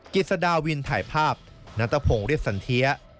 กิศดาวินถ่ายภาพณตะพงฤทธิ์สันเทีย